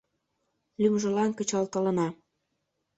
Лӱмжылан кычалтылына.